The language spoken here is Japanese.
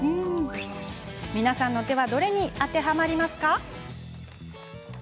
皆さんの手はどれに当てはまりますか？